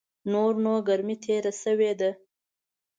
نور نو ګرمي تېره سوې ده .